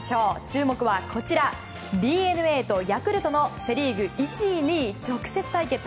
注目はこちらＤｅＮＡとヤクルトのセ・リーグ１位２位直接対決。